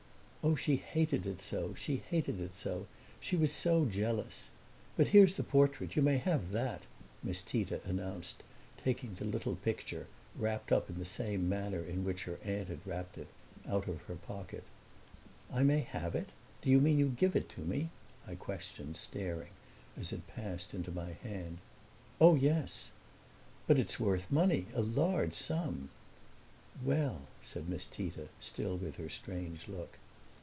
"Oh, she hated it so she hated it so! She was so jealous. But here's the portrait you may have that," Miss Tita announced, taking the little picture, wrapped up in the same manner in which her aunt had wrapped it, out of her pocket. "I may have it do you mean you give it to me?" I questioned, staring, as it passed into my hand. "Oh, yes." "But it's worth money a large sum." "Well!" said Miss Tita, still with her strange look.